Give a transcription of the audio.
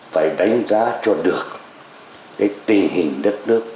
phải đánh giá cho được cái tình hình đất nước